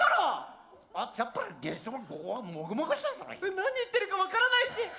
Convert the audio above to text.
何言ってるか分からないし。